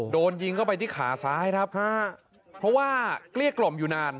โดนยิงเข้าไปที่ขาซ้ายครับค่ะเพราะว่าเกลี้ยกล่อมอยู่นาน